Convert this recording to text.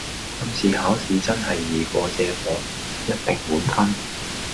今次考試真係易過借火，一定滿分